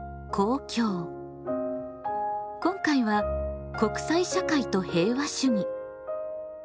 今回は「国際社会と平和主義」。